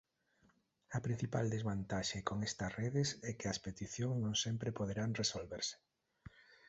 A principal desvantaxe con estas redes é que as peticións non sempre poderán resolverse.